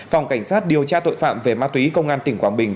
phòng cảnh sát điều tra tội phạm về ma túy công an tỉnh quảng bình